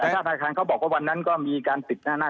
ถ้าธนาคารเขาบอกว่าวันนั้นก็มีการปิดหน้า